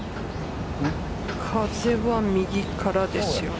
風は右からですよね。